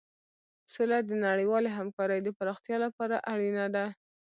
سوله د نړیوالې همکارۍ د پراختیا لپاره اړینه ده.